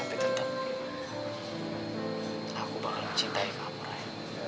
tapi tetep aku bakalan cintai kamu ray